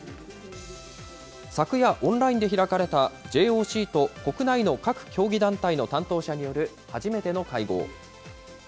昨夜、オンラインで開かれた、ＪＯＣと国内の各競技団体の担当者による初めての会合。